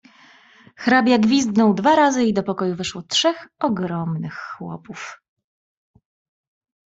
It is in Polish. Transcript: "Hrabia gwizdnął dwa razy i do pokoju weszło trzech ogromnych chłopów."